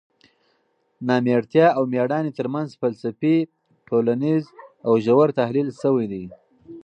نامېړتیا او مېړانې ترمنځ فلسفي، ټولنیز او ژور تحلیل شوی دی.